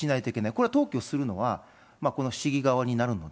これは登記をするのはこの市議側になるので。